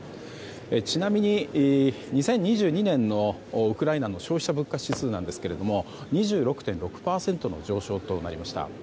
ちなみに、２０２２年のウクライナの消費者物価指数ですが２６．６％の上昇となりました。